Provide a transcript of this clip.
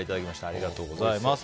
ありがとうございます。